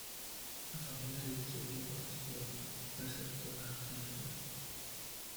La familia se distribuye por casi todo el mundo, excepto las regiones polares.